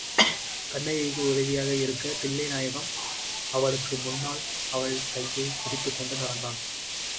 கண்ணகிக்கு உதவியாக இருக்கத் தில்லைநாயகம் அவளுக்கு முன்னால் அவள் கையைப் பிடித்துக்கொண்டு நடந்தான்.